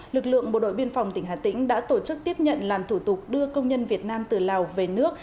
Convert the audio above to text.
lực lượng bộ đội biên phòng tỉnh hà tĩnh đã tổ chức tiếp nhận làm thủ tục đưa công nhân việt nam từ lào về nước